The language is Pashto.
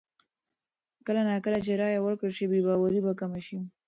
کله نا کله چې رایه ورکړل شي، بې باوري به کمه شي.